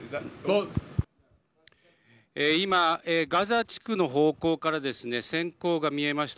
今、ガザ地区の方向から閃光が見えました。